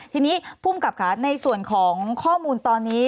ทีนี้ภูมิกับค่ะในส่วนของข้อมูลตอนนี้